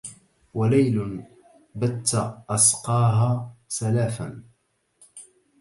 وليل بت أسقاها سلافا